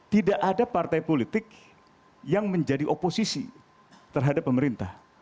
tidak ada partai politik yang menjadi oposisi terhadap pemerintah